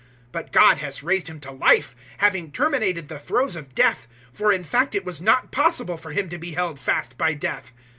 002:024 But God has raised Him to life, having terminated the throes of death, for in fact it was not possible for Him to be held fast by death.